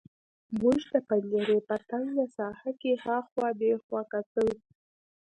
موږ د پنجرې په تنګه ساحه کې هاخوا دېخوا کتل